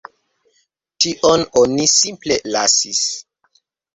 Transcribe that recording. Tion oni simple lasis.